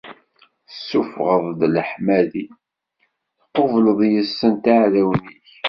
Tessufɣeḍ-d leḥmadi, tqubleḍ yis-sent iɛdawen-ik.